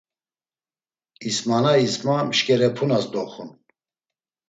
İsmana İsma Mşkerepunas doxun.